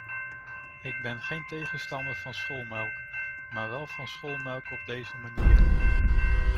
Ik ben geen tegenstander van schoolmelk, maar wel van schoolmelk op deze manier.